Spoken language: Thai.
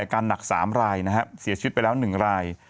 อาการหนัก๓รายเสียชุดไปแล้ว๑ราย